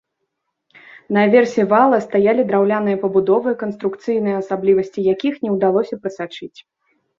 Наверсе вала стаялі драўляныя пабудовы, канструкцыйныя асаблівасці якіх не ўдалося прасачыць.